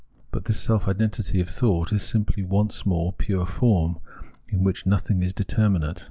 But this self identity of thought is simply once more pure form, in which nothing is determinate.